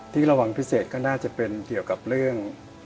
ที่ระวังพิเศษก็น่าจะเป็นเกี่ยวกับเรื่อง